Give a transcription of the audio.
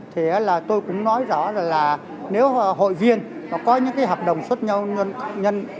thế là tôi cũng nói rõ là nếu hội viên có những cái hợp đồng xuất nhau nhân